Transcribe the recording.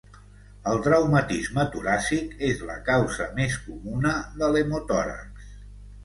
El traumatisme toràcic és la causa més comuna de l'hemotòrax.